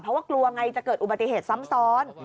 เพราะว่ากลัวไงจะเกิดอุบัติเหตุซ้ำซ้อน